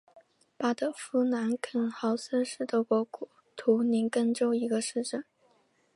巴德夫兰肯豪森是德国图林根州的一个市镇。